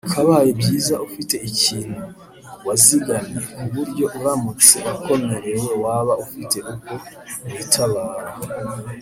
byakabaye byiza ufite ikintu wazigamye ku buryo uramutse ukomerewe waba ufite uko witabara